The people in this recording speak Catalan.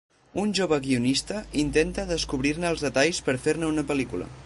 Un jove guionista intenta descobrir-ne els detalls per fer-ne una pel·lícula.